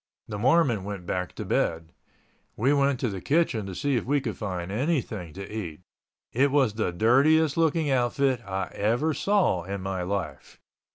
The Mormon went back to bed. We went to the kitchen to see if we could find anything to eat. It was the dirtiest looking outfit I ever saw in my life.